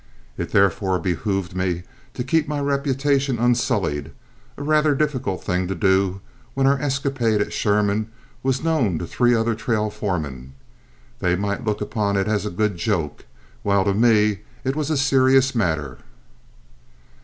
It therefore behooved me to keep my reputation unsullied, a rather difficult thing to do when our escapade at Sherman was known to three other trail foremen. They might look upon it as a good joke, while to me it was a serious matter.